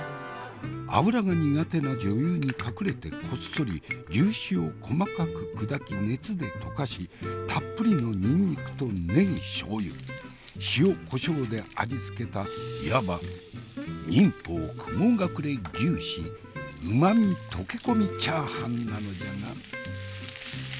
脂が苦手な女優に隠れてこっそり牛脂を細かく砕き熱で溶かしたっぷりのにんにくとねぎしょうゆ塩コショウで味付けたいわば「忍法雲隠れ牛脂うまみ溶け込みチャーハン」なのじゃな。